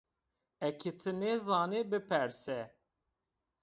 Eke ti nêzanî, biperse